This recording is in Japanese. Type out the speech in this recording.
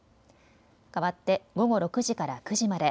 かわって午後６時から９時まで。